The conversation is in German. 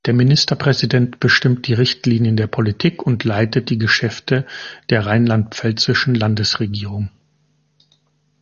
Der Ministerpräsident bestimmt die Richtlinien der Politik und leitet die Geschäfte der rheinland-pfälzischen Landesregierung.